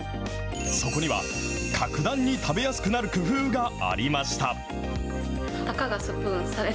そこには格段に食べやすくなる工夫がありました。